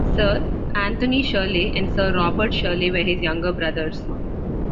Sir Anthony Shirley and Sir Robert Shirley were his younger brothers.